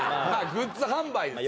グッズ販売ですよね